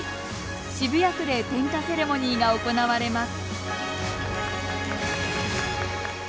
渋谷区で点火セレモニーが行われます。